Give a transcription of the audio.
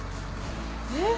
えっ？